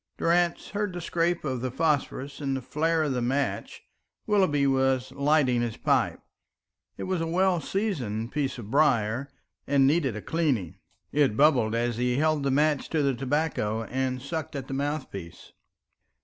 Durrance heard the scrape of the phosphorus and the flare of the match. Willoughby was lighting his pipe. It was a well seasoned piece of briar, and needed a cleaning; it bubbled as he held the match to the tobacco and sucked at the mouthpiece.